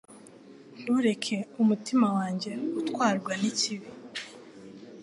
Ntureke umutima wanjye utwarwa n’ikibi